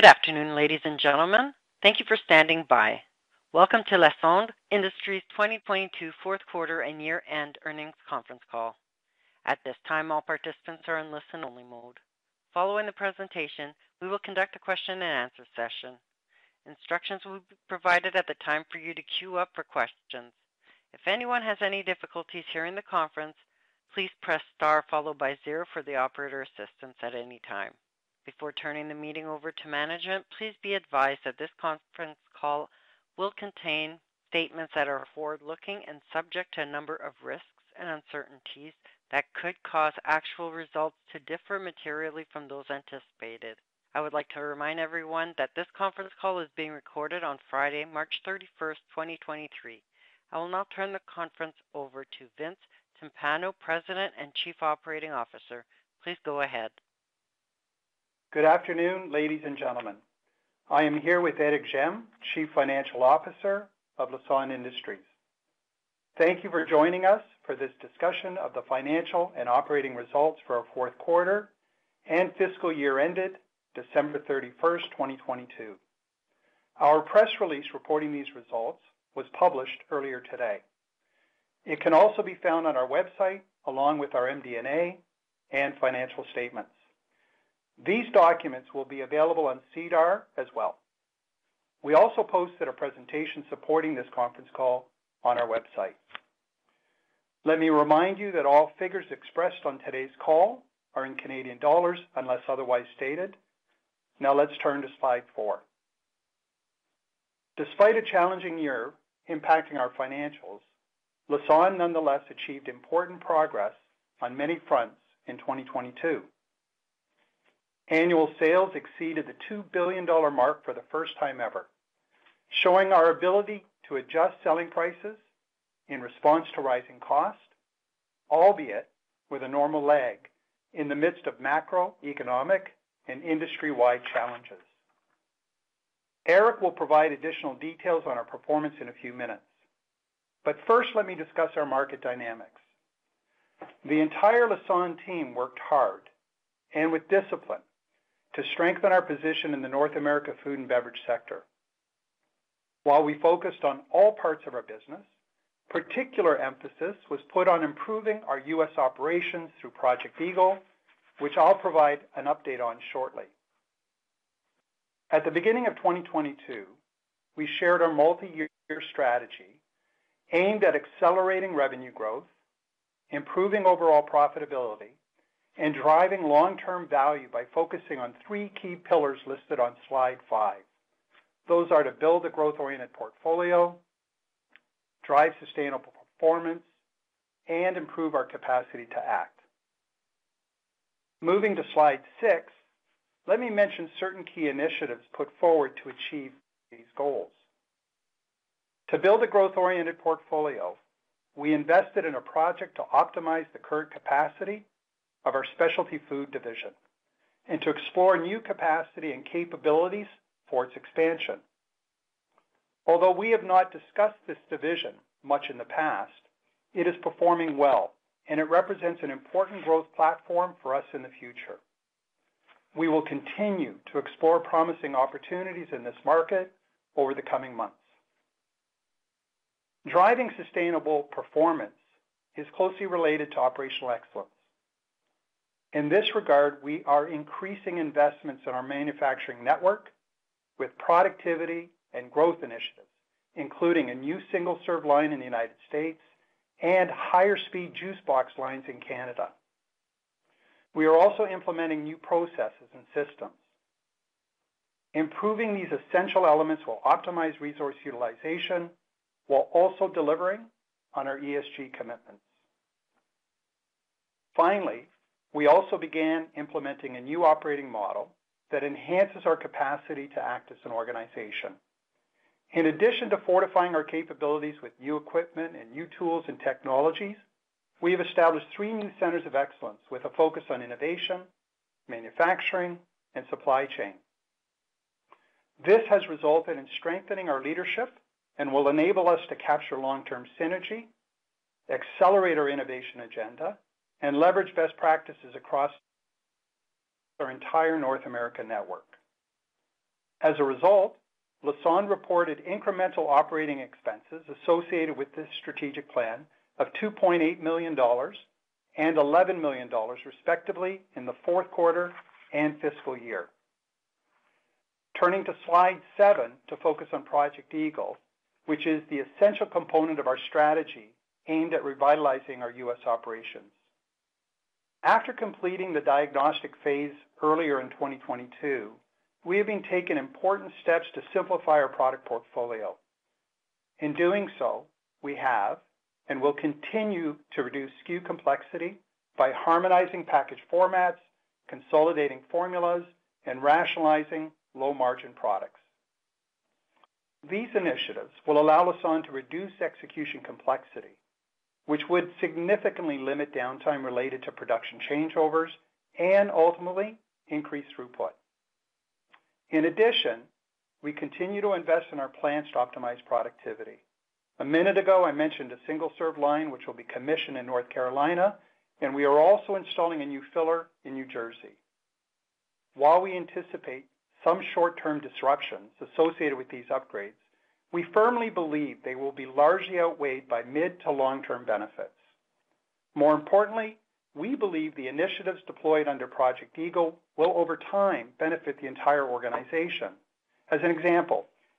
Good afternoon, ladies and gentlemen. Thank you for standing by. Welcome to Lassonde Industries 2022 fourth quarter and year-end earnings conference call. At this time, all participants are in listen-only mode. Following the presentation, we will conduct a question-and-answer session. Instructions will be provided at the time for you to queue up for questions. If anyone has any difficulties hearing the conference, please press star 0 for the operator assistance at any time. Before turning the meeting over to management, please be advised that this conference call will contain statements that are forward-looking and subject to a number of risks and uncertainties that could cause actual results to differ materially from those anticipated. I would like to remind everyone that this conference call is being recorded on Friday, March 31st, 2023. I will now turn the conference over to Vince Timpano, President and Chief Operating Officer. Please go ahead. Good afternoon, ladies and gentlemen. I am here with Éric Gemme, Chief Financial Officer of Lassonde Industries. Thank you for joining us for this discussion of the financial and operating results for our fourth quarter and fiscal year ended December 31, 2022. Our press release reporting these results was published earlier today. It can also be found on our website along with our MD&A and financial statements. These documents will be available on SEDAR as well. We also posted a presentation supporting this conference call on our website. Let me remind you that all figures expressed on today's call are in Canadian dollars unless otherwise stated. Now let's turn to slide 4. Despite a challenging year impacting our financials, Lassonde nonetheless achieved important progress on many fronts in 2022. Annual sales exceeded the $2 billion mark for the first time ever, showing our ability to adjust selling prices in response to rising costs, albeit with a normal lag in the midst of macroeconomic and industry-wide challenges. Éric will provide additional details on our performance in a few minutes. First, let me discuss our market dynamics. The entire Lassonde team worked hard and with discipline to strengthen our position in the North America food and beverage sector. While we focused on all parts of our business, particular emphasis was put on improving our U.S. operations through Project Eagle, which I'll provide an update on shortly. At the beginning of 2022, we shared our multi-year strategy aimed at accelerating revenue growth, improving overall profitability, and driving long-term value by focusing on three key pillars listed on slide five. Those are to build a growth-oriented portfolio, drive sustainable performance, and improve our capacity to act. Moving to slide 6, let me mention certain key initiatives put forward to achieve these goals. To build a growth-oriented portfolio, we invested in a project to optimize the current capacity of our specialty food division and to explore new capacity and capabilities for its expansion. Although we have not discussed this division much in the past, it is performing well, and it represents an important growth platform for us in the future. We will continue to explore promising opportunities in this market over the coming months. Driving sustainable performance is closely related to operational excellence. In this regard, we are increasing investments in our manufacturing network with productivity and growth initiatives, including a new single-serve line in the United States and higher speed juice box lines in Canada. We are also implementing new processes and systems. Improving these essential elements will optimize resource utilization while also delivering on our ESG commitments. We also began implementing a new operating model that enhances our capacity to act as an organization. In addition to fortifying our capabilities with new equipment and new tools and technologies, we have established three new centers of excellence with a focus on innovation, manufacturing, and supply chain. This has resulted in strengthening our leadership and will enable us to capture long-term synergy, accelerate our innovation agenda, and leverage best practices across our entire North America network. Lassonde reported incremental operating expenses associated with this strategic plan of 2.8 million dollars and 11 million dollars, respectively, in the fourth quarter and fiscal year. Turning to slide 7 to focus on Project Eagle, which is the essential component of our strategy aimed at revitalizing our U.S. operations. After completing the diagnostic phase earlier in 2022, we have been taking important steps to simplify our product portfolio. In doing so, we have and will continue to reduce SKU complexity by harmonizing package formats, consolidating formulas, and rationalizing low-margin products. These initiatives will allow Lassonde to reduce execution complexity, which would significantly limit downtime related to production changeovers and ultimately increase throughput. We continue to invest in our plans to optimize productivity. A minute ago, I mentioned a single-serve line, which will be commissioned in North Carolina. We are also installing a new filler in New Jersey. While we anticipate some short-term disruptions associated with these upgrades, we firmly believe they will be largely outweighed by mid to long-term benefits. We believe the initiatives deployed under Project Eagle will over time benefit the entire organization.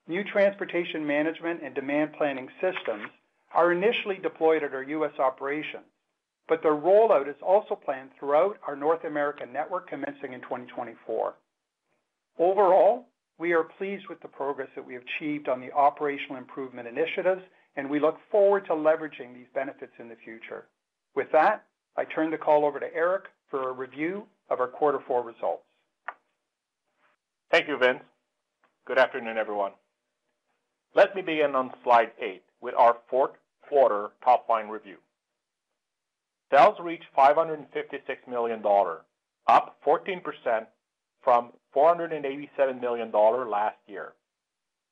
New transportation management and demand planning systems are initially deployed at our U.S. operation, their rollout is also planned throughout our North American network, commencing in 2024. We are pleased with the progress that we have achieved on the operational improvement initiatives, we look forward to leveraging these benefits in the future. I turn the call over to Éric for a review of our Q4 results. Thank you, Vince. Good afternoon, everyone. Let me begin on slide 8 with our fourth quarter top line review. Sales reached 556 million dollars, up 14% from 487 million dollars last year.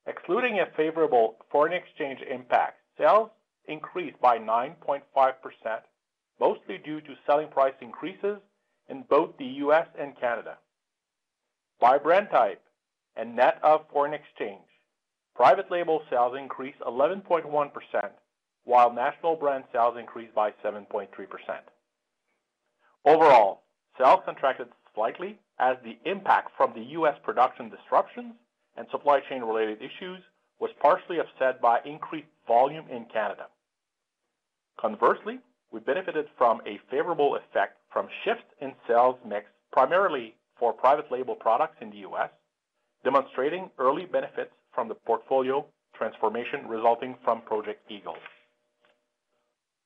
Excluding a favorable foreign exchange impact, sales increased by 9.5%, mostly due to selling price increases in both the U.S. and Canada. By brand type and net of foreign exchange, private label sales increased 11.1%, while national brand sales increased by 7.3%. Overall, sales contracted slightly as the impact from the U.S. production disruptions and supply chain related issues was partially offset by increased volume in Canada. Conversely, we benefited from a favorable effect from shifts in sales mix primarily for private label products in the U.S., demonstrating early benefits from the portfolio transformation resulting from Project Eagle.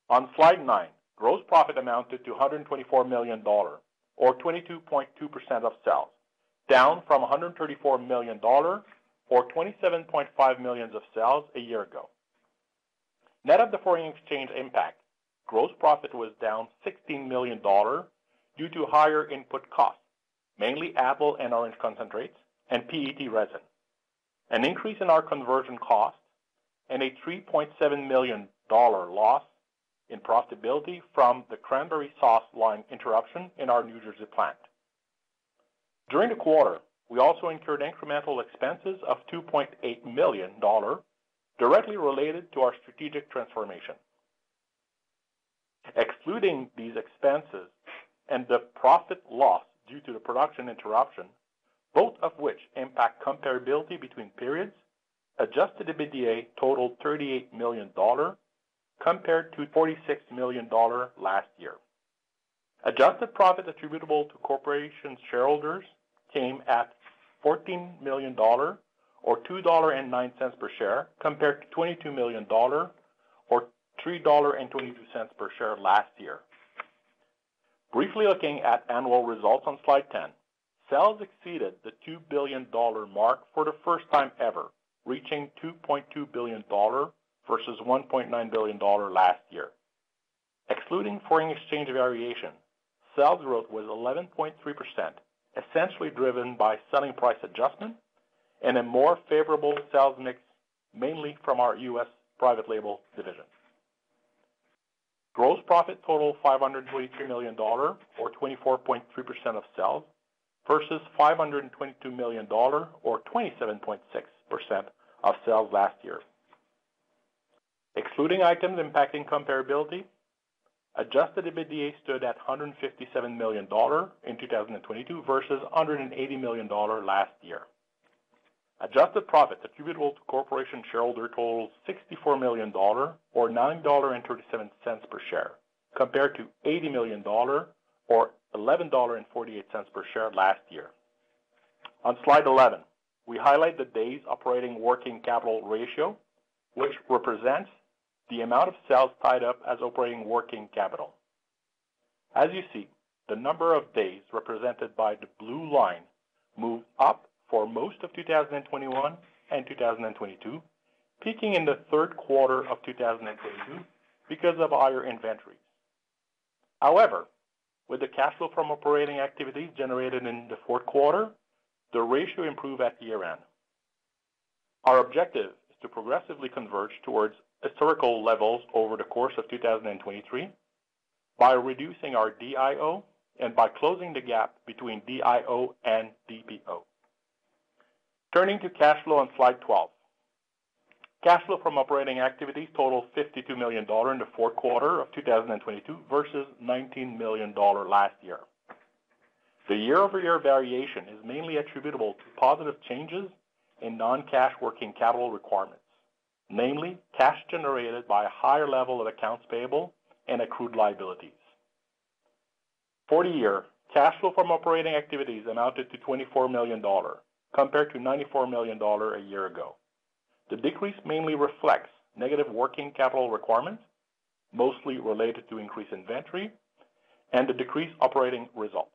On slide nine, gross profit amounted to 124 million dollars or 22.2% of sales, down from 134 million dollars or 27.5 millions of sales a year ago. Net of the foreign exchange impact, gross profit was down 16 million dollars due to higher input costs, mainly apple and orange concentrates and PET resin. An increase in our conversion costs and a 3.7 million dollar loss in profitability from the cranberry sauce line interruption in our New Jersey plant. During the quarter, we also incurred incremental expenses of 2.8 million dollar directly related to our strategic transformation. Excluding these expenses and the profit loss due to the production interruption, both of which impact comparability between periods, adjusted EBITDA totaled 38 million dollar compared to 46 million dollar last year. Adjusted profit attributable to corporation shareholders came at 14 million dollar or 2.09 dollar per share, compared to 22 million dollar or 3.22 dollar per share last year. Briefly looking at annual results on slide 10, sales exceeded the 2 billion dollar mark for the first time ever, reaching 2.2 billion dollar versus 1.9 billion dollar last year. Excluding foreign exchange variation, sales growth was 11.3%, essentially driven by selling price adjustment and a more favorable sales mix, mainly from our U.S. private label division. Gross profit totaled 523 million dollar or 24.3% of sales versus 522 million dollar or 27.6% of sales last year. Excluding items impacting comparability, adjusted EBITDA stood at 157 million dollar in 2022 versus 180 million dollar last year. Adjusted profit attributable to corporation shareholder totaled 64 million dollar or 9.37 dollar per share, compared to 80 million dollar or 11.48 dollar per share last year. On slide 11, we highlight the days operating working capital ratio, which represents the amount of sales tied up as operating working capital. As you see, the number of days represented by the blue line moved up for most of 2021 and 2022, peaking in the third quarter of 2022 because of higher inventories. However, with the cash flow from operating activities generated in the fourth quarter, the ratio improved at year-end. Our objective is to progressively converge towards historical levels over the course of 2023 by reducing our DIO and by closing the gap between DIO and DPO. Turning to cash flow on slide 12. Cash flow from operating activities totaled 52 million dollar in the fourth quarter of 2022 versus 19 million dollar last year. The year-over-year variation is mainly attributable to positive changes in non-cash working capital requirements, namely cash generated by a higher level of accounts payable and accrued liabilities. For the year, cash flow from operating activities amounted to 24 million dollars compared to 94 million dollars a year ago. The decrease mainly reflects negative working capital requirements, mostly related to increased inventory and the decreased operating results.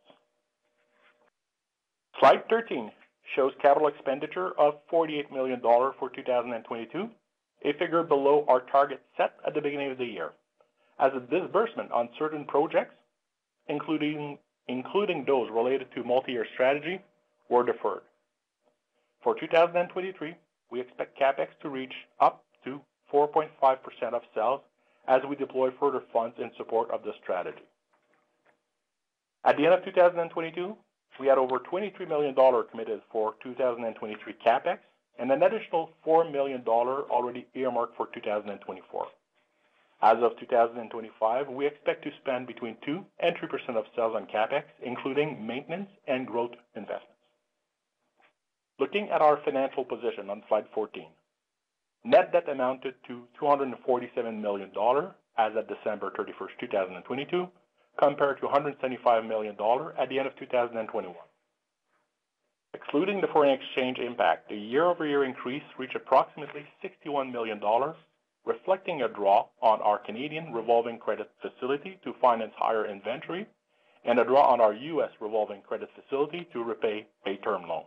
Slide 13 shows capital expenditure of $48 million for 2022, a figure below our target set at the beginning of the year as a disbursement on certain projects, including those related to multi-year strategy were deferred. For 2023, we expect CapEx to reach up to 4.5% of sales as we deploy further funds in support of the strategy. At the end of 2022, we had over $23 million committed for 2023 CapEx and an additional $4 million already earmarked for 2024. As of 2025, we expect to spend between 2% and 3% of sales on CapEx, including maintenance and growth investments. Looking at our financial position on slide 14, net debt amounted to 247 million dollars as of December 31, 2022, compared to 175 million dollars at the end of 2021. Excluding the foreign exchange impact, the year-over-year increase reached approximately 61 million dollars, reflecting a draw on our Canadian revolving credit facility to finance higher inventory and a draw on our US revolving credit facility to repay a term loan.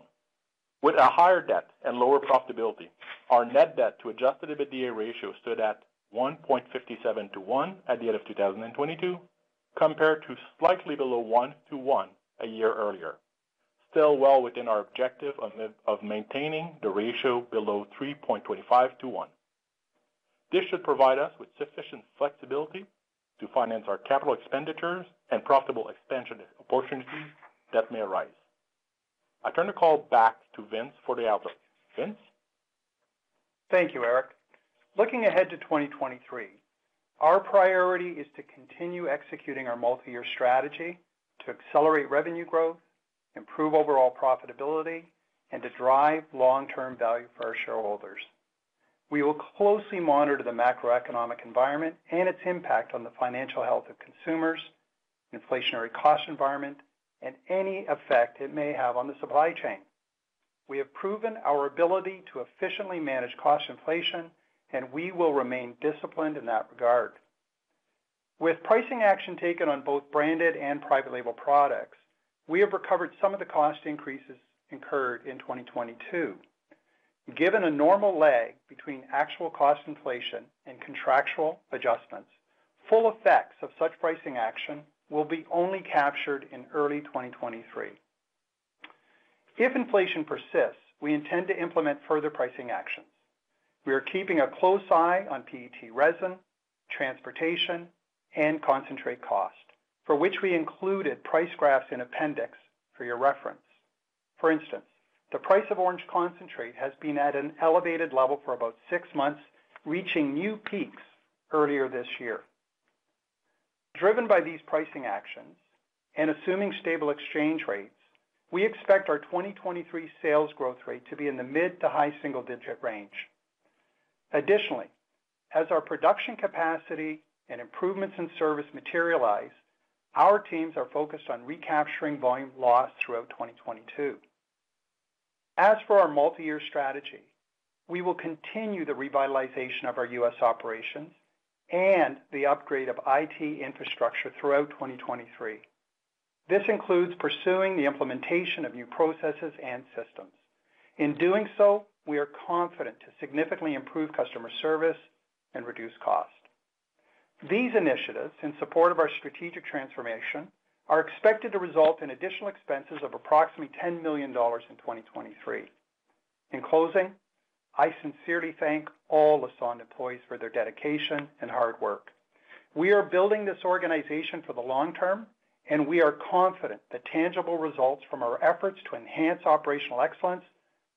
With a higher debt and lower profitability, our net debt to adjusted EBITDA ratio stood at 1.57 to 1 at the end of 2022, compared to slightly below 1 to 1 a year earlier. Still well within our objective of maintaining the ratio below 3.25 to 1. This should provide us with sufficient flexibility to finance our capital expenditures and profitable expansion opportunities that may arise. I turn the call back to Vince for the outlook. Vince? Thank you, Éric. Looking ahead to 2023, our priority is to continue executing our multi-year strategy to accelerate revenue growth, improve overall profitability, and to drive long-term value for our shareholders. We will closely monitor the macroeconomic environment and its impact on the financial health of consumers, inflationary cost environment, and any effect it may have on the supply chain. We have proven our ability to efficiently manage cost inflation, and we will remain disciplined in that regard. With pricing action taken on both branded and private label products, we have recovered some of the cost increases incurred in 2022. Given a normal lag between actual cost inflation and contractual adjustments, full effects of such pricing action will be only captured in early 2023. If inflation persists, we intend to implement further pricing actions. We are keeping a close eye on PET resin, transportation, and concentrate cost, for which we included price graphs in appendix for your reference. For instance, the price of orange concentrate has been at an elevated level for about six months, reaching new peaks earlier this year. Driven by these pricing actions and assuming stable exchange rates, we expect our 2023 sales growth rate to be in the mid- to high-single digit range. Additionally, as our production capacity and improvements in service materialize, our teams are focused on recapturing volume loss throughout 2022. As for our multi-year strategy, we will continue the revitalization of our U.S. operations and the upgrade of IT infrastructure throughout 2023. This includes pursuing the implementation of new processes and systems. In doing so, we are confident to significantly improve customer service and reduce cost. These initiatives, in support of our strategic transformation, are expected to result in additional expenses of approximately 10 million dollars in 2023. In closing, I sincerely thank all Lassonde employees for their dedication and hard work. We are building this organization for the long term. We are confident that tangible results from our efforts to enhance operational excellence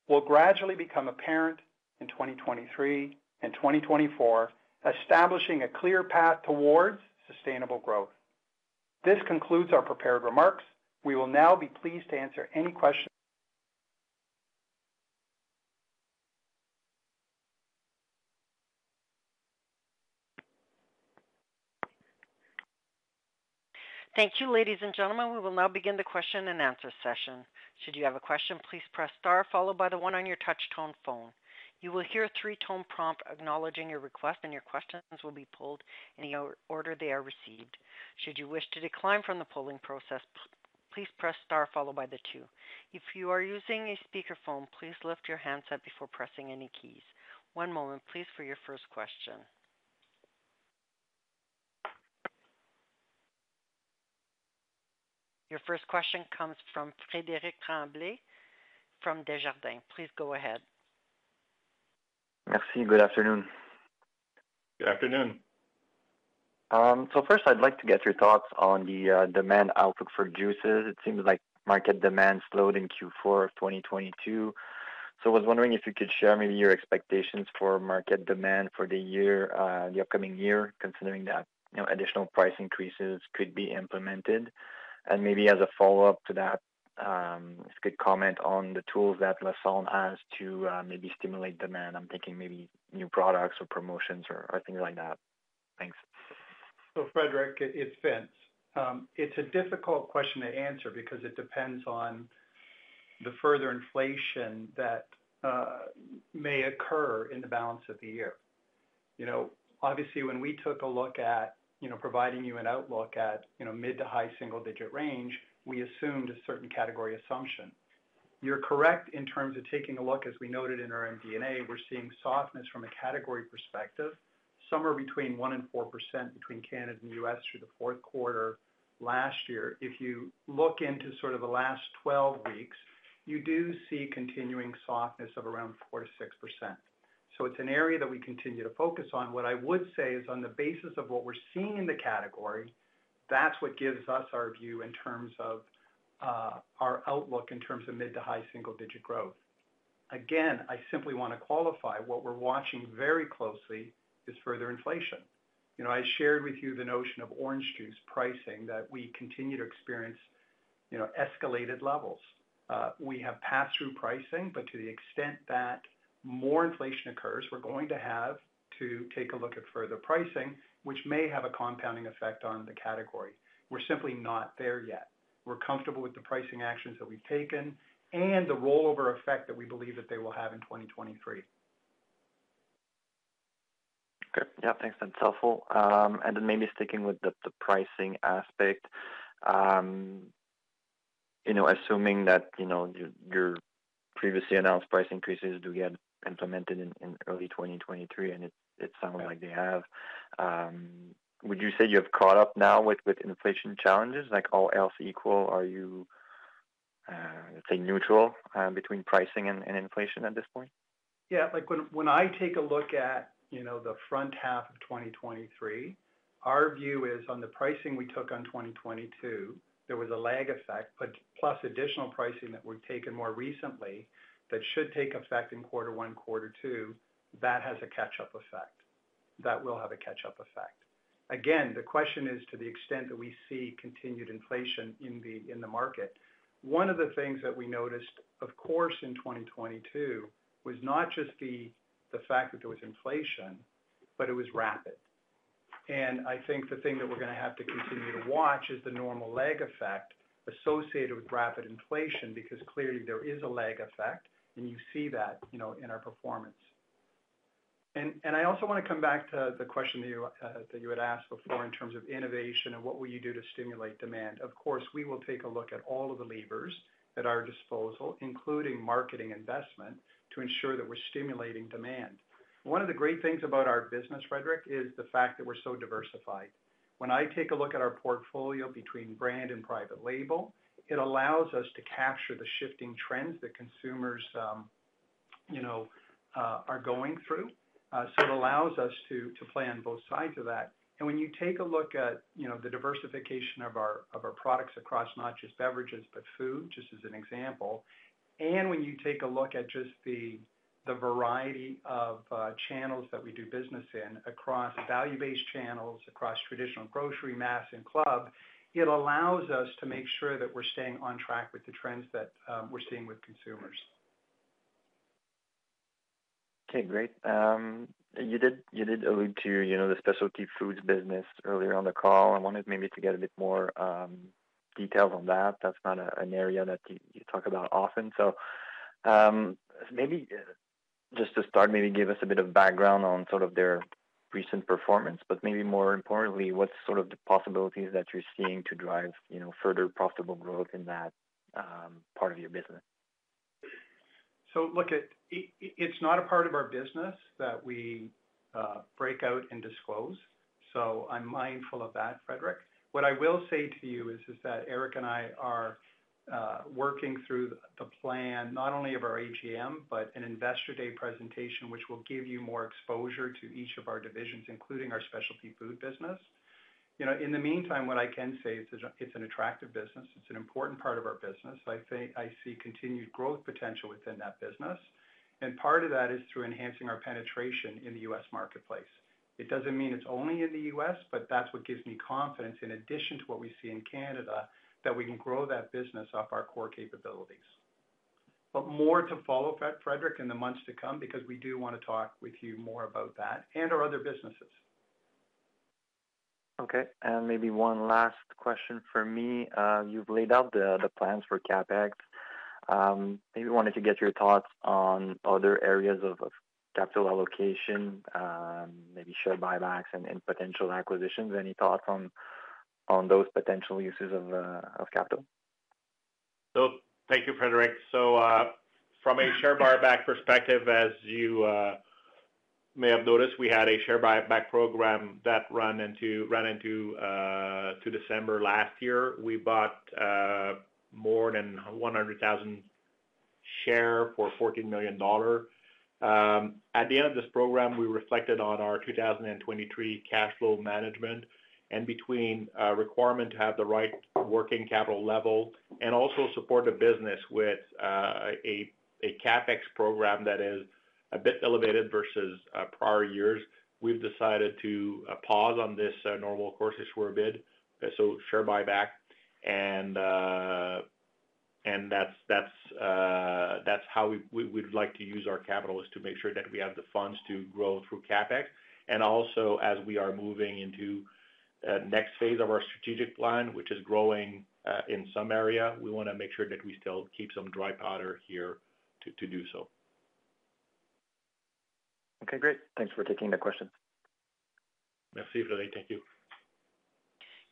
will gradually become apparent in 2023 and 2024, establishing a clear path towards sustainable growth. This concludes our prepared remarks. We will now be pleased to answer any questions. Thank you, ladies and gentlemen. We will now begin the question and answer session. Should you have a question, please press star followed by the one on your touch tone phone. You will hear a three-tone prompt acknowledging your request, and your questions will be pulled in the order they are received. Should you wish to decline from the polling process, please press star followed by the two. If you are using a speakerphone, please lift your handset before pressing any keys. One moment please for your first question. Your first question comes from Frédéric Tremblay from Desjardins. Please go ahead. Merci. Good afternoon. Good afternoon. First, I'd like to get your thoughts on the demand outlook for juices. It seems like market demand slowed in Q4 of 2022. I was wondering if you could share maybe your expectations for market demand for the year, the upcoming year, considering that, you know, additional price increases could be implemented. Maybe as a follow-up to that, if you could comment on the tools that Lassonde has to maybe stimulate demand. I'm thinking maybe new products or promotions or things like that. Thanks. Frédéric, it's Vince. It's a difficult question to answer because it depends on the further inflation that may occur in the balance of the year. You know, obviously when we took a look at, you know, providing you an outlook at, you know, mid to high single digit range, we assumed a certain category assumption. You're correct in terms of taking a look, as we noted in our MD&A, we're seeing softness from a category perspective, somewhere between 1% and 4% between Canada and U.S. through the fourth quarter last year. If you look into sort of the last 12 weeks, you do see continuing softness of around 4%-6%. It's an area that we continue to focus on. What I would say is on the basis of what we're seeing in the category, that's what gives us our view in terms of, our outlook in terms of mid to high single digit growth. I simply wanna qualify, what we're watching very closely is further inflation. You know, I shared with you the notion of orange juice pricing that we continue to experience, you know, escalated levels. We have pass-through pricing, to the extent that more inflation occurs, we're going to have to take a look at further pricing, which may have a compounding effect on the category. We're simply not there yet. We're comfortable with the pricing actions that we've taken and the rollover effect that we believe that they will have in 2023. Okay. Yeah. Thanks. That's helpful. Maybe sticking with the pricing aspect, you know, assuming that, you know, your previously announced price increases do get implemented in early 2023, and it sounds like they have, would you say you have caught up now with inflation challenges? Like, all else equal, are you, let's say, neutral, between pricing and inflation at this point? Yeah. Like, when I take a look at, you know, the front half of 2023, our view is on the pricing we took on 2022, there was a lag effect, plus additional pricing that we've taken more recently that should take effect in Q1, Q2, that has a catch-up effect. That will have a catch-up effect. Again, the question is to the extent that we see continued inflation in the market. One of the things that we noticed, of course, in 2022 was not just the fact that there was inflation, but it was rapid. I think the thing that we're gonna have to continue to watch is the normal lag effect associated with rapid inflation, because clearly there is a lag effect, and you see that, you know, in our performance. I also wanna come back to the question that you had asked before in terms of innovation and what will you do to stimulate demand. Of course, we will take a look at all of the levers at our disposal, including marketing investment, to ensure that we're stimulating demand. One of the great things about our business, Frédéric, is the fact that we're so diversified. When I take a look at our portfolio between brand and private label, it allows us to capture the shifting trends that consumers, you know, are going through. It allows us to play on both sides of that. When you take a look at, you know, the diversification of our, of our products across not just beverages, but food, just as an example, and when you take a look at just the variety of channels that we do business in across value-based channels, across traditional grocery, mass, and club, it allows us to make sure that we're staying on track with the trends that we're seeing with consumers. Great. You did, you did allude to, you know, the specialty foods business earlier on the call. I wanted maybe to get a bit more details on that. That's not an area that you talk about often. Maybe just to start, maybe give us a bit of background on sort of their recent performance, but maybe more importantly, what's sort of the possibilities that you're seeing to drive, you know, further profitable growth in that part of your business? Look, it's not a part of our business that we break out and disclose, so I'm mindful of that, Frédéric. What I will say to you is that Éric and I are working through the plan not only of our AGM, but an investor day presentation, which will give you more exposure to each of our divisions, including our specialty food business. You know, in the meantime, what I can say is it's an attractive business. It's an important part of our business. I see continued growth potential within that business, and part of that is through enhancing our penetration in the U.S. marketplace. It doesn't mean it's only in the U.S., but that's what gives me confidence in addition to what we see in Canada, that we can grow that business off our core capabilities. more to follow, Frédéric, in the months to come, because we do wanna talk with you more about that and our other businesses. Okay. Maybe one last question from me. You've laid out the plans for CapEx. Maybe wanted to get your thoughts on other areas of capital allocation, maybe share buybacks and potential acquisitions. Any thoughts on those potential uses of capital? Thank you, Frédéric. From a share buyback perspective, as you may have noticed, we had a share buyback program that ran into December last year. We bought more than 100,000 share for 14 million dollar. At the end of this program, we reflected on our 2023 cash flow management and between requirement to have the right working capital level and also support the business with a CapEx program that is a bit elevated versus prior years. We've decided to pause on this normal course issuer bid, so share buyback. That's, that's how we would like to use our capital, is to make sure that we have the funds to grow through CapEx. As we are moving into, next phase of our strategic plan, which is growing, in some area, we want to make sure that we still keep some dry powder here to do so. Okay, great. Thanks for taking the question. Merci, Vince. Thank you.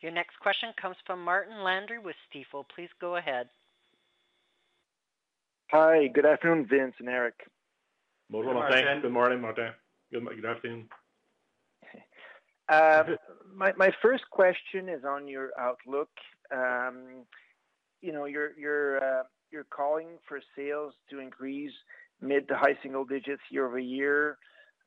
Your next question comes from Martin Landry with Stifel. Please go ahead. Hi, good afternoon, Vince and Éric. Good morning, Martin. Good morning, Martin. Good morning. Good afternoon. My first question is on your outlook. You know, you're calling for sales to increase mid to high single digits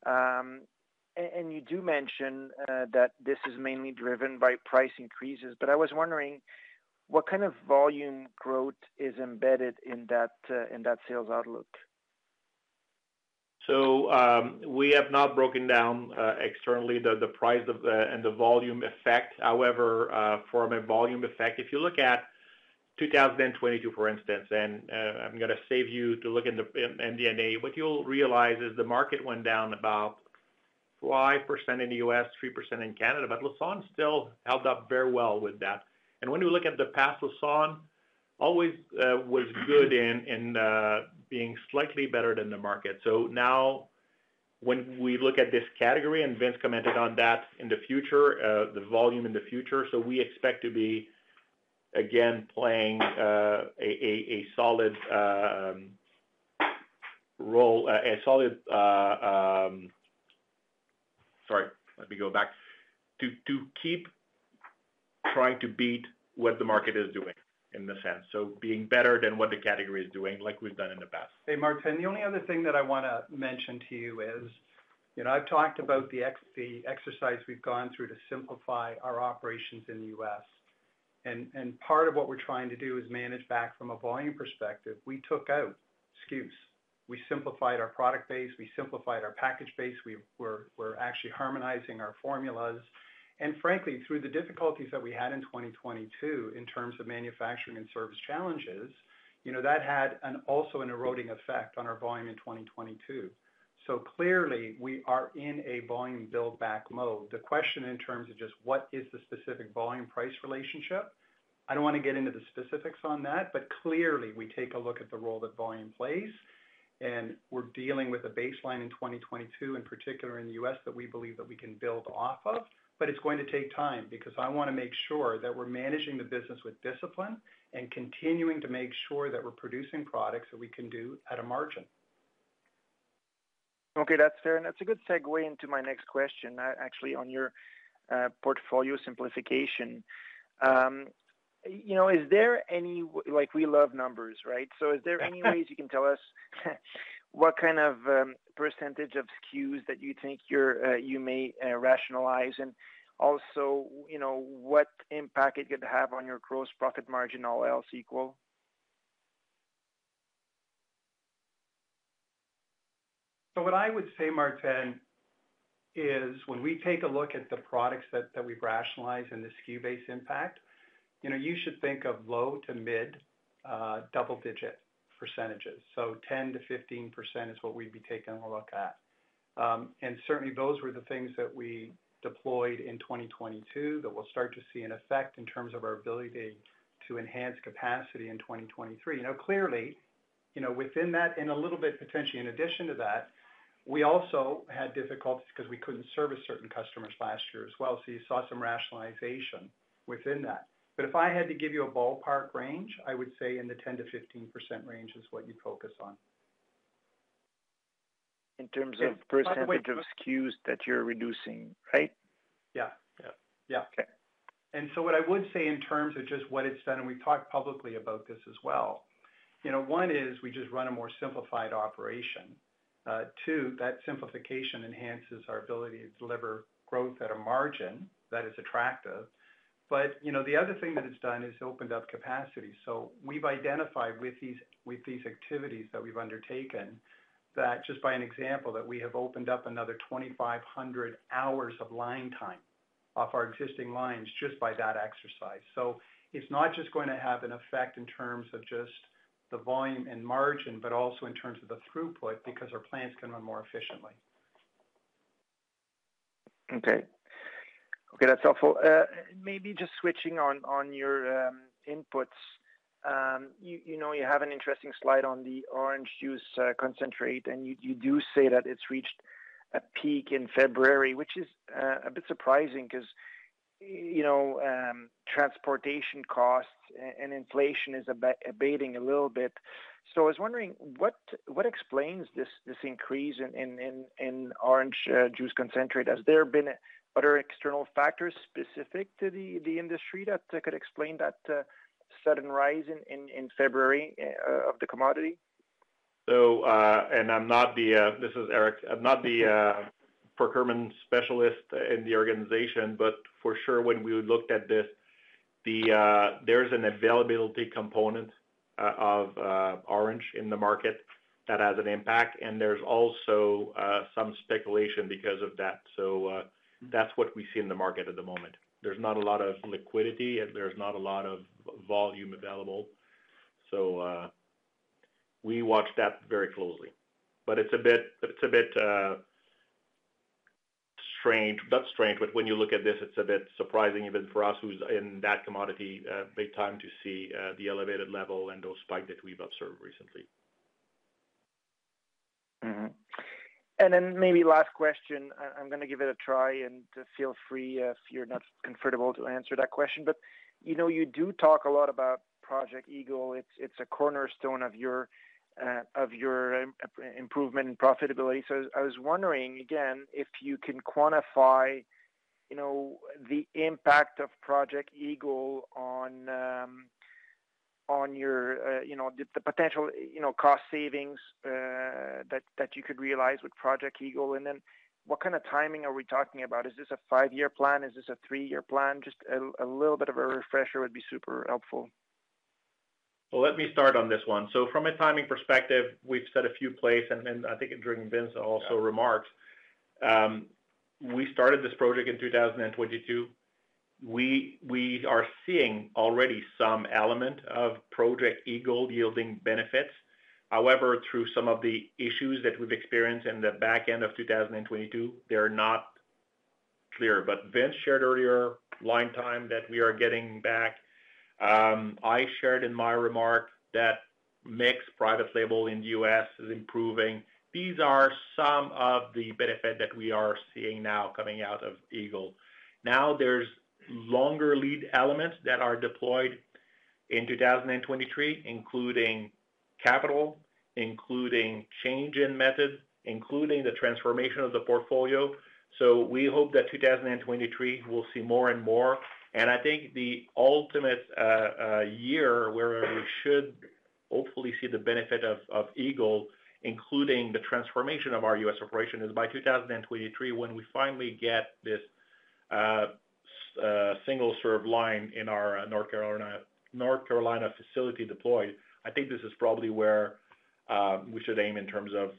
year-over-year. You do mention that this is mainly driven by price increases. I was wondering what kind of volume growth is embedded in that sales outlook? We have not broken down externally the price of the and the volume effect. However, from a volume effect, if you look at 2022, for instance, and I'm gonna save you to look in the in MD&A, what you'll realize is the market went down about 5% in the U.S., 3% in Canada, but Lassonde still held up very well with that. When we look at the past, Lassonde always was good in being slightly better than the market. Now when we look at this category, and Vince commented on that in the future, the volume in the future. We expect to be again playing a solid role, a solid. Sorry, let me go back. To keep trying to beat what the market is doing in a sense. Being better than what the category is doing like we've done in the past. Hey, Martin, the only other thing that I wanna mention to you is, you know, I've talked about the exercise we've gone through to simplify our operations in the U.S. Part of what we're trying to do is manage back from a volume perspective. We took out SKUs. We simplified our product base, we simplified our package base. We're actually harmonizing our formulas. Frankly, through the difficulties that we had in 2022 in terms of manufacturing and service challenges, you know, that had also an eroding effect on our volume in 2022. Clearly, we are in a volume build back mode. The question in terms of just what is the specific volume-price relationship, I don't wanna get into the specifics on that. Clearly, we take a look at the role that volume plays, and we're dealing with a baseline in 2022, in particular in the U.S., that we believe that we can build off of. It's going to take time because I wanna make sure that we're managing the business with discipline and continuing to make sure that we're producing products that we can do at a margin. Okay, that's fair. That's a good segue into my next question, actually on your portfolio simplification. You know, Like, we love numbers, right? Is there any ways you can tell us what kind of percentage of SKUs that you think you may rationalize? Also, you know, what impact it could have on your gross profit margin, all else equal? What I would say, Martin, is when we take a look at the products that we've rationalized and the SKU-based impact, you know, you should think of low to mid double-digit percentages. 10%-15% is what we'd be taking a look at. Certainly, those were the things that we deployed in 2022 that we'll start to see an effect in terms of our ability to enhance capacity in 2023. Clearly, you know, within that and a little bit potentially in addition to that, we also had difficulties 'cause we couldn't service certain customers last year as well. You saw some rationalization within that. If I had to give you a ballpark range, I would say in the 10%-15% range is what you'd focus on. In terms of- Yeah.... percentage of SKUs that you're reducing, right? Yeah. Yeah. Yeah. Okay. What I would say in terms of just what it's done, and we've talked publicly about this as well, you know, one is we just run a more simplified operation. Two, that simplification enhances our ability to deliver growth at a margin that is attractive. You know, the other thing that it's done is opened up capacity. We've identified with these, with these activities that we've undertaken that just by an example, that we have opened up another 2,500 hours of line time off our existing lines just by that exercise. It's not just gonna have an effect in terms of just the volume and margin, but also in terms of the throughput because our plants can run more efficiently. Okay. Okay, that's helpful. Maybe just switching on your inputs. You know, you have an interesting slide on the orange juice concentrate, and you do say that it's reached a peak in February, which is a bit surprising 'cause, you know, transportation costs and inflation is abating a little bit. I was wondering what explains this increase in orange juice concentrate? Has there been other external factors specific to the industry that could explain that sudden rise in February of the commodity? And I'm not the... This is Éric. I'm not the procurement specialist in the organization, but for sure, when we looked at this, there's an availability component of orange in the market that has an impact, and there's also some speculation because of that. That's what we see in the market at the moment. There's not a lot of liquidity, and there's not a lot of volume available. We watch that very closely. It's a bit Strange, that's strange, but when you look at this, it's a bit surprising even for us who's in that commodity, big time to see the elevated level and those spike that we've observed recently. Maybe last question, I'm gonna give it a try, and feel free if you're not comfortable to answer that question. You know, you do talk a lot about Project Eagle. It's a cornerstone of your improvement in profitability. I was wondering, again, if you can quantify, you know, the impact of Project Eagle on your, you know, the potential, you know, cost savings that you could realize with Project Eagle. What kind of timing are we talking about? Is this a five-year plan? Is this a three-year plan? Just a little bit of a refresher would be super helpful. Let me start on this one. From a timing perspective, we've said a few place, and I think during Vince also remarks, we started this project in 2022. We are seeing already some element of Project Eagle yielding benefits. However, through some of the issues that we've experienced in the back end of 2022, they're not clear. Vince shared earlier line time that we are getting back. I shared in my remark that mix private label in the U.S. is improving. These are some of the benefit that we are seeing now coming out of Project Eagle. There's longer lead elements that are deployed in 2023, including capital, including change in method, including the transformation of the portfolio. We hope that 2023 will see more and more. I think the ultimate year where we should hopefully see the benefit of Eagle, including the transformation of our U.S. operation, is by 2023, when we finally get this single serve line in our North Carolina, North Carolina facility deployed. I think this is probably where we should aim in terms of.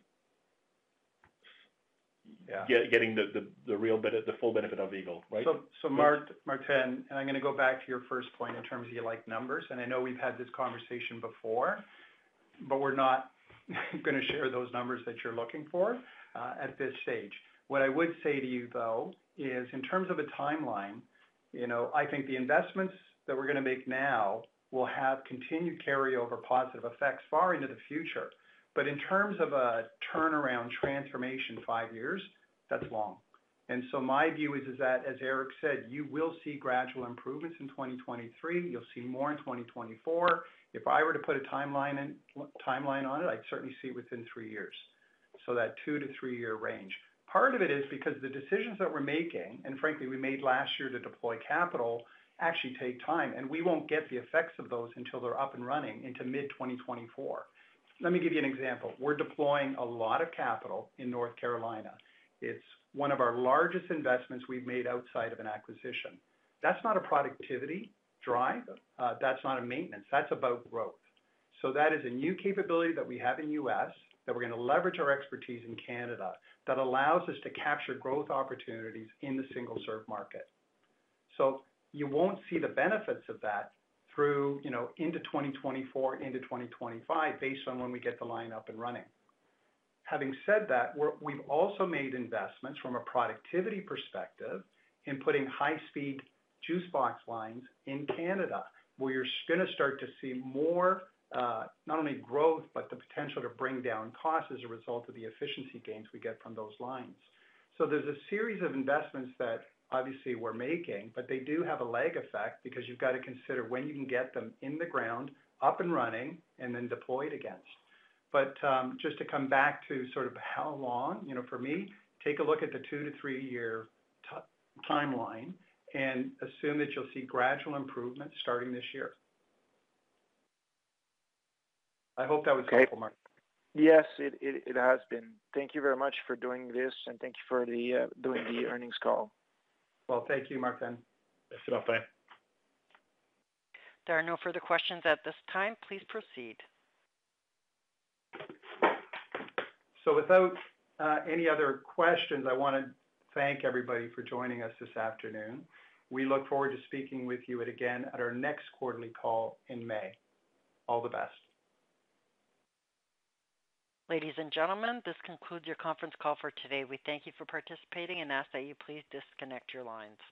Yeah... getting the full benefit of Eagle, right? Martin, I'm gonna go back to your first point in terms of you like numbers, and I know we've had this conversation before, but we're not gonna share those numbers that you're looking for at this stage. What I would say to you though, is in terms of a timeline, you know, I think the investments that we're gonna make now will have continued carryover positive effects far into the future. In terms of a turnaround transformation, five years, that's long. My view is that, as Éric said, you will see gradual improvements in 2023. You'll see more in 2024. If I were to put a timeline on it, I'd certainly see within three years. That two-three-year range. Part of it is because the decisions that we're making, and frankly we made last year to deploy capital, actually take time, and we won't get the effects of those until they're up and running into mid-2024. Let me give you an example. We're deploying a lot of capital in North Carolina. It's one of our largest investments we've made outside of an acquisition. That's not a productivity drive, that's not a maintenance, that's about growth. That is a new capability that we have in U.S. that we're gonna leverage our expertise in Canada that allows us to capture growth opportunities in the single serve market. You won't see the benefits of that through, you know, into 2024, into 2025 based on when we get the line up and running. Having said that, we've also made investments from a productivity perspective in putting high speed juice box lines in Canada, where you're gonna start to see more, not only growth, but the potential to bring down costs as a result of the efficiency gains we get from those lines. There's a series of investments that obviously we're making, but they do have a lag effect because you've got to consider when you can get them in the ground, up and running, and then deployed against. Just to come back to sort of how long, you know, for me, take a look at the 2-3-year timeline and assume that you'll see gradual improvement starting this year. I hope that was helpful, Martin. Yes, it has been. Thank you very much for doing this, thank you for the doing the earnings call. Thank you, Martin. Yes, bye. There are no further questions at this time. Please proceed. Without any other questions, I wanna thank everybody for joining us this afternoon. We look forward to speaking with you again at our next quarterly call in May. All the best. Ladies and gentlemen, this concludes your conference call for today. We thank you for participating and ask that you please disconnect your lines.